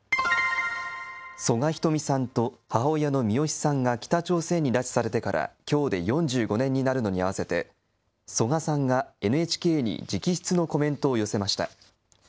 曽我ひとみさんと母親のミヨシさんが北朝鮮に拉致されてから、きょうで４５年になるのに合わせて曽我さんがＮＨＫに直筆のコメントを寄せました。